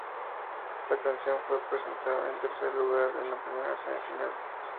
La canción fue presentada en tercer lugar en la primera semi-final.